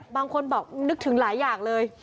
บางคนบอกนึกถึงหลายอย่างเลย